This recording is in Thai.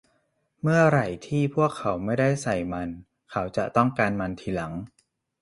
เมื่อไหร่ที่พวกเขาไม่ได้ใส่มัน เขาจะต้องการมันทีหลัง